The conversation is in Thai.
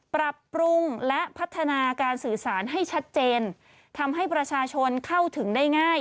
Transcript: ปรับปรุงและพัฒนาการสื่อสารให้ชัดเจนทำให้ประชาชนเข้าถึงได้ง่าย